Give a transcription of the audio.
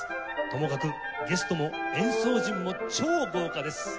ともかくゲストも演奏陣も超豪華です。